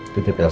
itu dia elsa ya